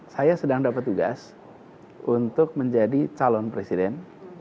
saya sedang dapat tugas untuk menjadi calon presiden